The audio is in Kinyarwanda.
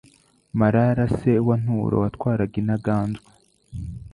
Marara se wa Nturo watwaraga Intaganzwa